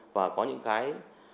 và có những cái